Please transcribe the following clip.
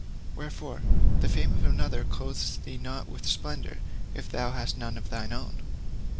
Wherefore, the fame of another clothes thee not with splendour if thou hast none of thine own.